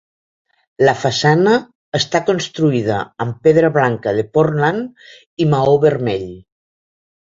La façana està construïda amb pedra blanca de Portland i maó vermell.